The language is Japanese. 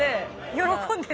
喜んでる。